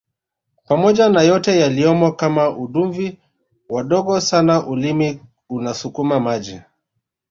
pamoja na yote yaliyomo kama uduvi wadogo sana ulimi unasukuma maji